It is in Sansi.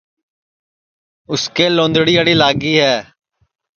اُس کے لونٚدڑیاڑی لاگی ہے